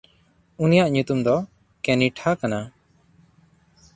ᱩᱱᱤᱭᱟᱜ ᱧᱩᱛᱩᱢ ᱫᱚ ᱠᱮᱱᱤᱴᱷᱟ ᱠᱟᱱᱟ᱾